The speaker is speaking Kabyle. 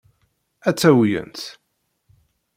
Ad tt-awyent.